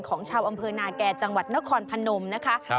ของชาวอำเภอนาแก่จังหวัดนครพนมนะคะ